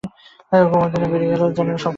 কুমুদিনী বেরিয়ে এল যেন সে স্বপ্নে-পাওয়া।